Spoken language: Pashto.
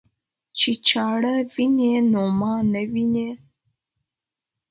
چې چاړه ويني نو ما نه ويني.